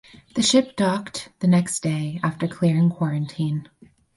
The ship docked the next day after clearing quarantine.